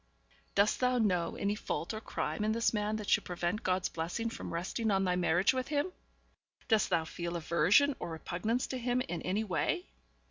'Dost thou know any fault or crime in this man that should prevent God's blessing from resting on thy marriage with him? Dost thou feel aversion or repugnance to him in any way?'